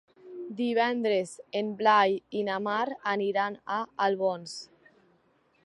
Divendres en Blai i na Mar aniran a Albons.